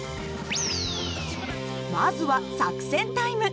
まずは作戦タイム。